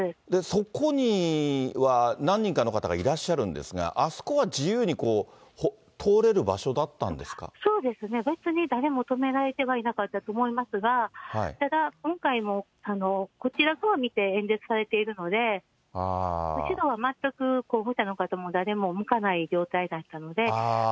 そこには何人かの方がいらっしゃるんですが、あそこは自由にそうですね、別に誰も止められてはいなかったと思いますが、ただ、今回も、こちらを見て演説されてるので、後ろは全く候補者の方も誰も向かない状態だったので。